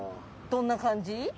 どんな感じ？